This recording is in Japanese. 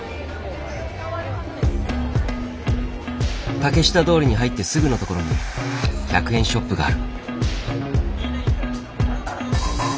竹下通りに入ってすぐの所に１００円ショップがある。